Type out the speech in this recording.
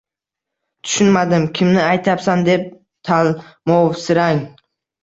"Tushunmadim, kimni aytyapsan?" deb talmovsirang.